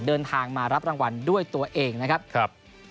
เดินทางมารับรางวัลด้วยตัวเองนะครับ